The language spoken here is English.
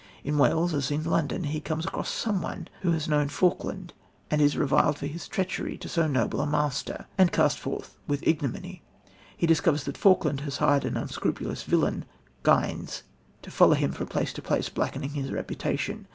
In Wales as in London, he comes across someone who has known Falkland, and is reviled for his treachery to so noble a master, and cast forth with ignominy. He discovers that Falkland has hired an unscrupulous villain, Gines, to follow him from place to place, blackening his reputation.